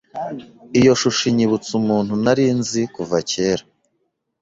Iyo shusho inyibutsa umuntu nari nzi kuva kera.